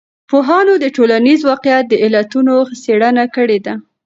پوهانو د ټولنیز واقعیت د علتونو څېړنه کړې ده.